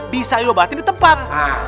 bisa diobatin di tempat